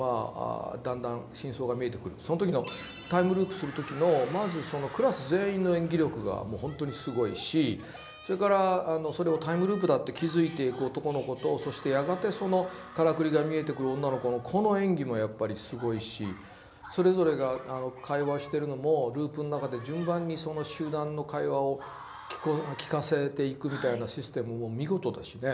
その時のタイムループする時のまずそのクラス全員の演技力がもう本当にすごいしそれからそれをタイムループだって気付いていく男の子とそしてやがてそのからくりが見えてくる女の子のこの演技もやっぱりすごいしそれぞれが会話してるのもループの中で順番にその集団の会話を聞かせていくみたいなシステムも見事だしね。